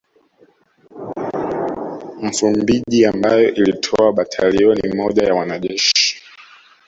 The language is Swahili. Msumbiji ambayo ilitoa batalioni moja ya wanajeshi